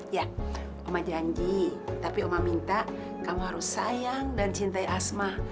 ya oma janji tapi oma minta kamu harus sayang dan cintai asma